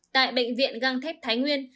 tại bệnh viện găng thép thái nguyên